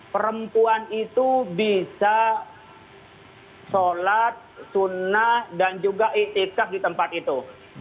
perempuan itu bisa sholat sunnah dan juga iktikaf di tempat itu